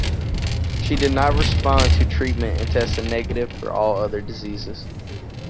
She did not respond to treatment and tested negative for all other diseases.